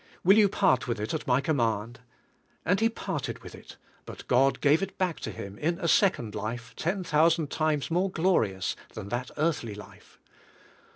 Will you part with it at my command?" And lie parted with it, but God gave it back to Him in a second life ten thousand times more glorious than that earthly life.